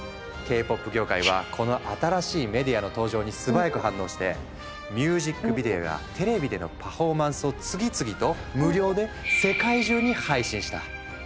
Ｋ−ＰＯＰ業界はこの新しいメディアの登場に素早く反応してミュージックビデオやテレビでのパフォーマンスを次々と無料で世界中に配信した。